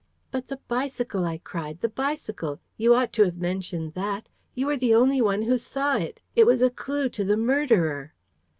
"But the bicycle!" I cried. "The bicycle! You ought to have mentioned that. You were the only one who saw it. It was a clue to the murderer."